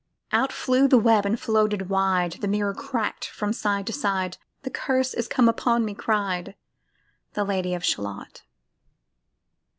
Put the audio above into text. Out flew the web and floated wide; The mirror crack'd from side to side; "The curse is come upon me," cried The Lady of Shalott.